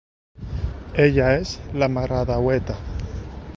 Ella és la Maredeueta.